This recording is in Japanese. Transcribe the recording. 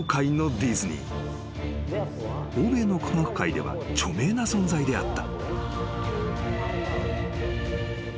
［欧米の科学界では著名な存在であった］